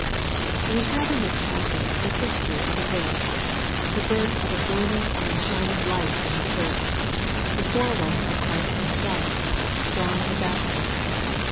We have in this passage the history of a birth, the birth of a burning and shining light in the Church, the forerunner of Christ Himself, — John the Baptist.